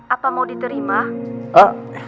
apa mau diterima